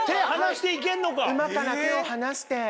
馬から手を離して。